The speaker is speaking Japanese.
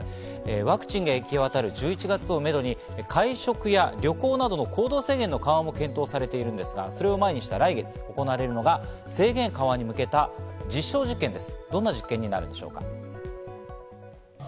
ワクチンが行きわたる１１月をめどに会食や旅行などの行動制限の緩和も検討されているんですが、それを前にした来月に行われる見通しなんですが、制限緩和に向けた実証実験なんです。